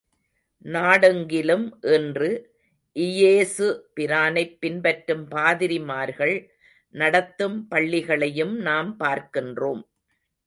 நாடெங்கிலும் இன்று இயேசு பிரானைப் பின்பற்றும் பாதிரிமார்கள் நடத்தும் பள்ளிகளையும் நாம் பார்க்கின்றோம்.